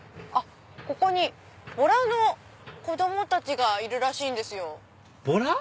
ここにボラの子供たちがいるらしいんですよ。